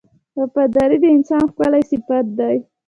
• وفاداري د انسان ښکلی صفت دی.